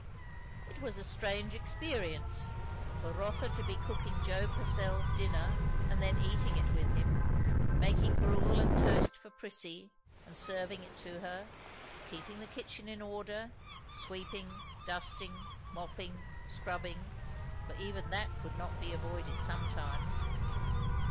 It was a strange experience, for Rotha to be cooking Joe Purcell's dinner and then eating it with him; making gruel and toast for Prissy and serving it to her; keeping the kitchen in order; sweeping, dusting, mopping, scrubbing, for even that could not be avoided sometimes.